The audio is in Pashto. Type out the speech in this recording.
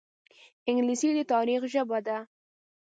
انګلیسي د تاریخ ژبه ده